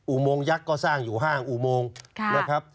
อุโมงยักษ์ก็สร้างอยู่๕อุโมงนะครับ